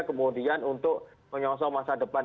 kemudian untuk menyongsong masa depan